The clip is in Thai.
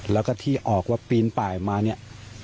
แล้วก็ที่ออกว่าปีนป่ายมาเนี่ย